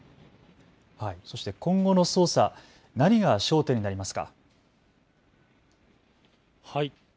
そして今後の捜査、何が焦点になりますか。